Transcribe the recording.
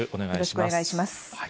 よろしくお願いします。